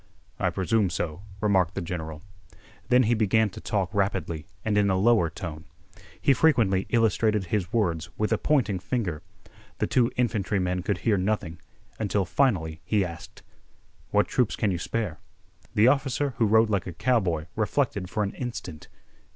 "I presume so," remarked the general. Then he began to talk rapidly and in a lower tone. He frequently illustrated his words with a pointing finger. The two infantrymen could hear nothing until finally he asked: "What troops can you spare?" The officer who rode like a cowboy reflected for an instant.